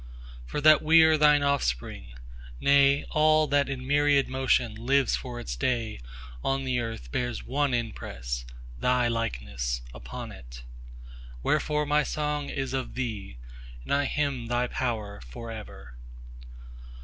For that we are Thine offspring; nay, all that in myriad motionLives for its day on the earth bears one impress—Thy likeness—upon it.5Wherefore my song is of Thee, and I hymn Thy power for ever.